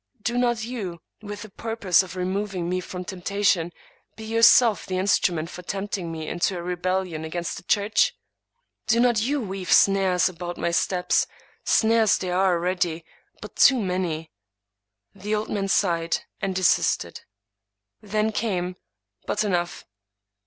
do not you, with the purpose of removing me from temptation, be yourself the instru ment for tempting me into a rebellion against the church. Do not you weave snares about my steps ; snares there are already, and but too many." The old man sighed, and desisted. Then came — But enough!